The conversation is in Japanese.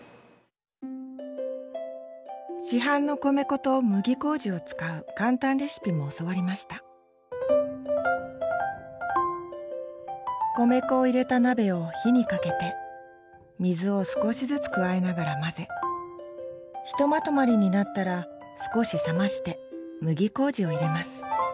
市販の米粉と麦麹を使う簡単レシピも教わりました米粉を入れた鍋を火をかけて水を少しずつ加えながら混ぜひとまとまりになったら少し冷まして麦麹を入れます。